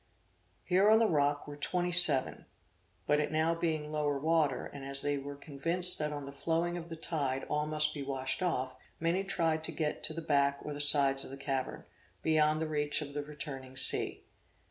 Here on the rock were twenty seven, but it now being low water, and as they were convinced that on the flowing of the tide all must be washed off, many tried to get to the back or the sides of the cavern, beyond the reach of the returning sea.